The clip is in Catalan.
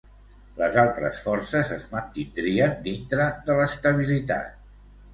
Les altres forces es mantindrien dintre de l'estabilitat.